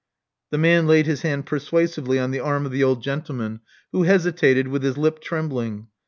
The man laid his hand persuasively on the arm of the old gentleman, who hesitated, with his lip trembling.